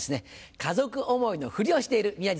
家族思いのふりをしている宮治さんです。